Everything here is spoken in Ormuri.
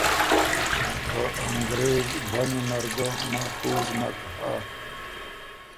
که انګرېز بنوں نر ګۀ محفوظ نک هۀ۔